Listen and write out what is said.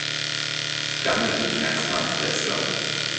Dann ging Merx nach Breslau.